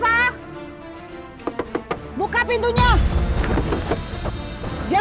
aduh ini dia